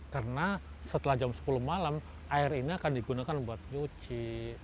karena setelah jam sepuluh malam air ini akan digunakan buat nyuci